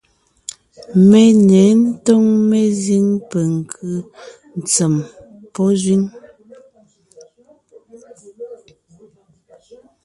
Mé ně ńtóŋ mezíŋ penkʉ́ ntsèm pɔ́ zẅíŋ.